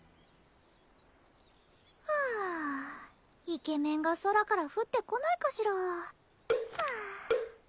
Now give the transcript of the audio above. イケメンが空から降ってこないかしらはあっ